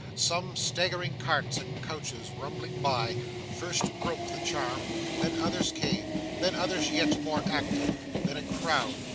Some straggling carts and coaches rumbling by, first broke the charm, then others came, then others yet more active, then a crowd.